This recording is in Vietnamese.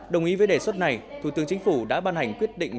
đồng ý với đề xuất này thủ tướng chính phủ đã ban hành quyết định